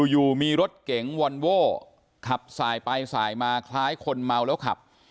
อยู่มีรถเก๋งวอนโว้ขับสายไปสายมาคล้ายคนเมาแล้วขับ